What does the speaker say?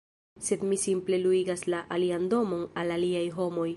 sed mi simple luigas la alian domon al aliaj homoj